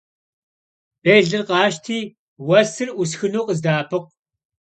Bêlır khaşti vuesır 'usxınu khızde'epıkhu.